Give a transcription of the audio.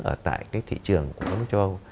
ở tại thị trường của công châu âu